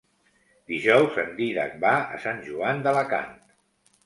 Dijous en Dídac va a Sant Joan d'Alacant.